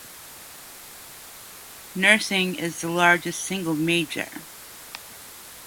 Nursing is the largest single major.